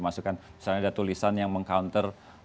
masukkan misalnya ada tulisan yang meng counter